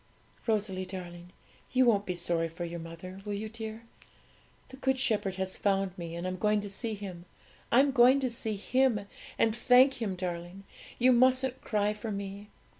'Rosalie, darling, you won't be sorry for your mother; will you, dear? The Good Shepherd has found me, and I'm going to see Him. I'm going to see Him, and thank Him, darling; you mustn't cry for me.